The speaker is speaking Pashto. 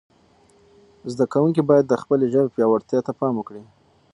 زده کوونکي باید د خپلې ژبې پياوړتیا ته پام وکړي.